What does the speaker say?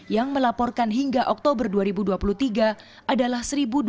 yang melaporkan hingga oktober dua ribu dua puluh tiga adalah satu dua ratus